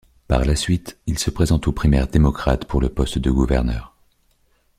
Par la suite, il se présente aux primaires démocrates pour le poste de gouverneur.